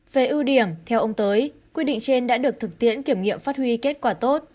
về ưu điểm theo ông tới quy định trên đã được thực tiễn kiểm nghiệm phát huy kết quả tốt